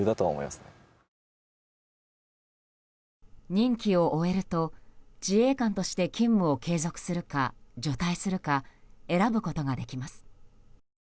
任期を終えると自衛官として勤務を継続するか除隊するか選ぶことができます。